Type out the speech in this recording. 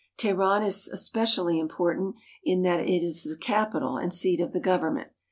Teheran is especially important in that it is the capital and seat of the government.